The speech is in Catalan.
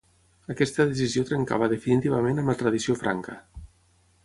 Aquesta decisió trencava definitivament amb la tradició franca.